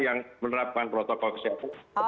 yang menerapkan protokol kesehatan